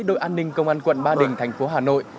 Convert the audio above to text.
đội an ninh công an quận ba đình thành phố hà nội